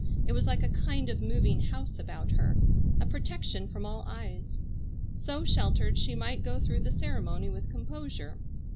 It was like a kind of moving house about her, a protection from all eyes. So sheltered she might go through the ceremony with composure.